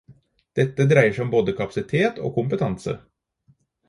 Dette dreier seg om både kapasitet og kompetanse.